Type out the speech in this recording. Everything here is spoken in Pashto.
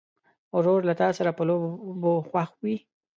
ورور له تا سره په لوبو خوښ وي.